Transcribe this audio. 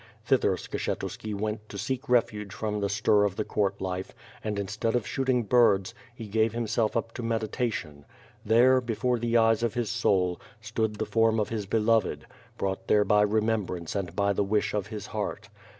Thither Skshetuski went to seek refuge from the stir of the court life and instead of shooting birds, he gave himself up to medi tation. There, before the eyes of his soul, stood the form of his beloved, brought there by remembrance and by the wish of his heart.